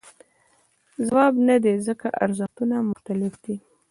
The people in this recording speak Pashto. ځواب نه دی ځکه ارزښتونه مختلف دي.